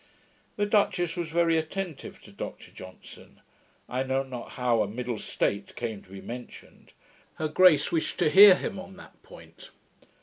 The duchess was very attentive to Dr Johnson. I know not how a middle state came to be mentioned. Her grace wished to hear him on that point.